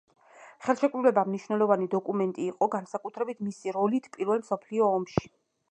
ხელშეკრულება მნიშვნელოვანი დოკუმენტი იყო, განსაკუთრებით მისი როლით პირველ მსოფლიო ომში.